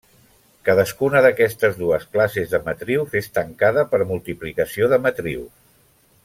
Cadascuna d'aquestes dues classes de matrius és tancada per multiplicació de matrius.